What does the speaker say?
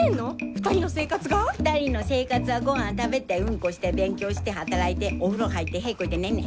２人の生活はごはん食べてうんこして勉強して働いてお風呂入って屁こいて寝んねん。